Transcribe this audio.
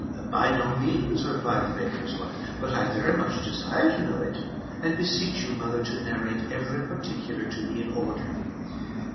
" By no means," replied the baker's wife ;" but I very much desire to know it, and beseech you, mother, to narrate every particular to me in order."